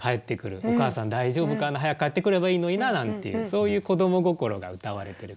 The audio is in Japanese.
「お母さん大丈夫かな？早く帰ってくればいいのにな」なんていうそういう子ども心がうたわれてると。